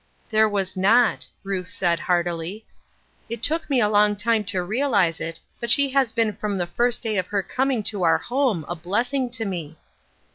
"There was not," Ruth said, heartily. "It took me a long time to realize it, but she has been from the first day of her coming to our home a blessing to me."